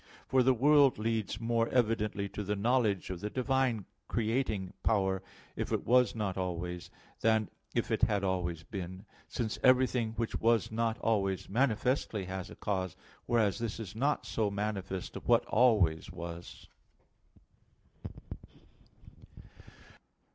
For the world leads more evidently to the knowledge of the divine creating power, if it was not always, than if it had always been; since everything which was not always manifestly has a cause; whereas this is not so manifest of what always was.